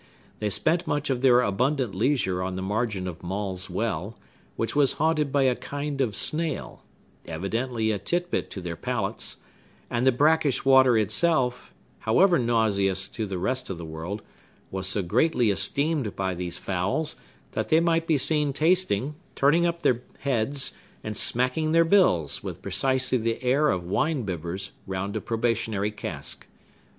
They spent much of their abundant leisure on the margin of Maule's well, which was haunted by a kind of snail, evidently a titbit to their palates; and the brackish water itself, however nauseous to the rest of the world, was so greatly esteemed by these fowls, that they might be seen tasting, turning up their heads, and smacking their bills, with precisely the air of wine bibbers round a probationary cask.